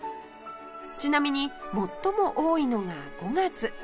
ちなみに最も多いのが５月